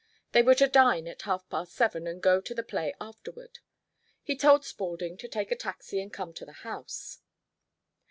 They were to dine at half past seven and go to the play afterward. He told Spaulding to take a taxi and come to the house.